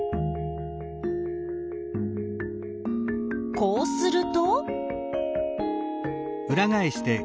こうすると？